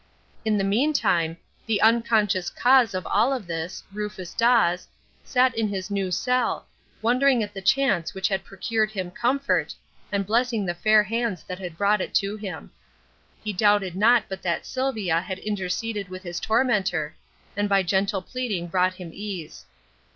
In the meantime, the unconscious cause of all of this Rufus Dawes sat in his new cell, wondering at the chance which had procured him comfort, and blessing the fair hands that had brought it to him. He doubted not but that Sylvia had interceded with his tormentor, and by gentle pleading brought him ease.